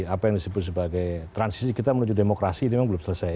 apa yang disebut sebagai transisi kita menuju demokrasi ini memang belum selesai